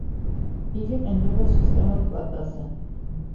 იგი ყენდება სისტემურ პლატაზე.